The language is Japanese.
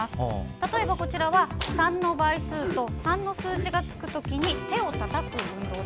例えば、こちらは３の倍数と３の数字がつくときに手をたたく運動。